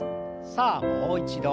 さあもう一度。